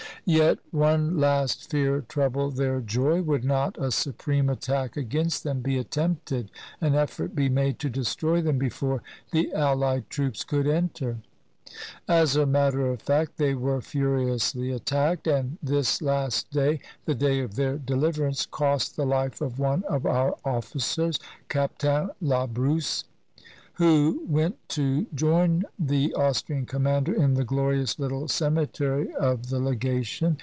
Yet one last fear troubled their joy. Would not a supreme attack against them be attempted, an effort be made to destroy them before the allied troops could enter? As a matter of fact they were furiously attacked, and this last day, the day of their deliverance, cost the life of one of our officers. Captain Labrousse, who went to join the Austrian commander in the glorious little ceme tery of the Legation.